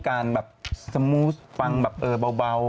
เขาต้องการสมูทฟังแบบเออเบา